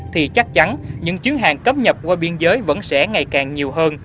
thì chắc chắn những chuyến hàng cấm nhập qua biên giới vẫn sẽ ngày càng nhiều hơn